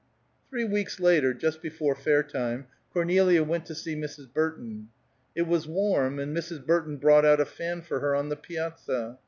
Three weeks later, just before fair time, Cornelia went to see Mrs. Burton. It was warm, and Mrs. Burton brought out a fan for her on the piazza.